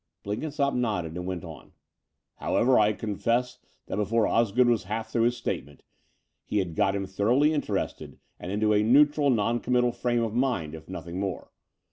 Blenkinsopp nodded and went on : "However, I confess that before Osgood was half through his statement he had got him thoroughly interested and into a neutral, non committal frame of mind, if nothing more.